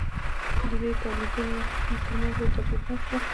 د دې دوو تولیدونو ترمنځ لوی توپیر هم شته.